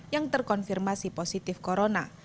yang terkonfirmasi positif corona